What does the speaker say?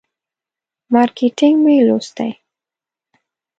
مارکیټینګ مې لوستی.